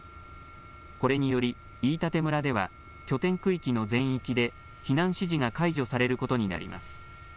これにより、飯舘村では拠点区域の全域で避難指示が解除されることになります。